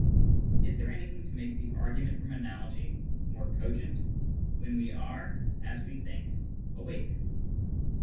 Is there anything to make the argument from analogy more cogent when we are (as we think) awake